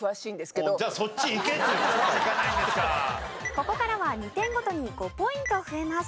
ここからは２点ごとに５ポイント増えます。